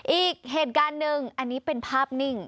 อีกเหตุการณ์หนึ่งอันนี้เป็นภาพนิ่ง